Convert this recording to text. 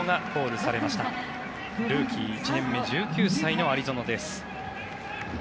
ルーキー１年目１９歳の有薗です。